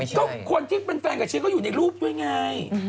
ก็คนที่เป็นแฟนกับฉันก็อยู่ในรูปด้วยไง